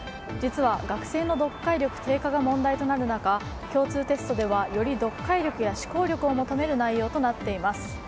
実は学生の読解力低下が問題となる中共通テストではより読解力や思考力を求める内容となっています。